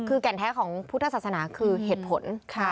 คือแก่นแท้ของพุทธศาสนาคือเหตุผล